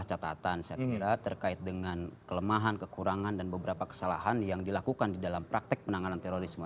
ada catatan saya kira terkait dengan kelemahan kekurangan dan beberapa kesalahan yang dilakukan di dalam praktek penanganan terorisme